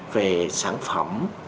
về sản phẩm